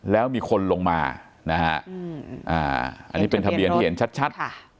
แล้วมีคนลงมานะฮะอันนี้เป็นทะเบียนที่เห็นชัด